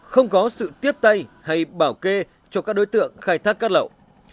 không có sự tiếp tay hay bảo kê cho các đối tượng khai thác cát lậu